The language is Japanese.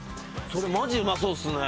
それマジうまそうっすね。